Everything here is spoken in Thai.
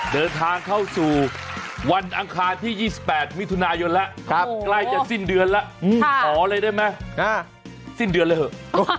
เดินทางเข้าสู่วันอังคารที่๒๘มิถุนายนแล้วใกล้จะสิ้นเดือนแล้วขอเลยได้ไหมสิ้นเดือนเลยเถอะ